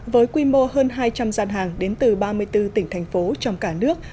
với quy mô hơn hai trăm linh gian hàng đến từ ba mươi bốn tỉnh thành phố trong cả nước